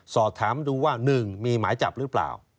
สอบถามดูว่า๑มีหมายจับหรือเปล่า